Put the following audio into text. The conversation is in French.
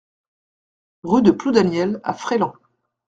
Rue de Ploudaniel à Fréland